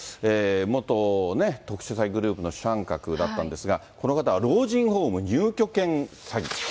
元特殊詐欺グループの主犯格だったんですが、この方は老人ホーム入居権詐欺。